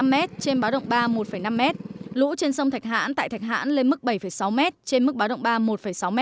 năm m trên báo động ba một năm m lũ trên sông thạch hãn tại thạch hãn lên mức bảy sáu m trên mức báo động ba một sáu m